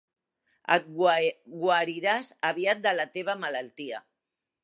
Et guariràs aviat de la teva malaltia.